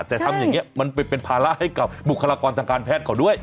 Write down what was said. แต่ทำอย่างนี้มันไปเป็นภาระให้กับบุคลากรทางการแพทย์เขาด้วย